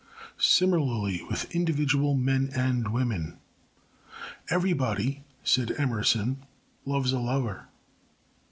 Similarly, with individual men and women. "Everybody," said Emerson, "loves a lover."